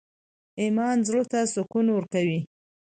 ایمان زړه ته سکون ورکوي